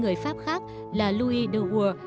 người pháp khác là louis de waal